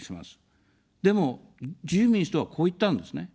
でも、自由民主党は、こう言ったんですね。